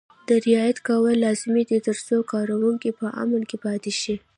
دا رعایت کول لازمي دي ترڅو کارکوونکي په امن کې پاتې شي.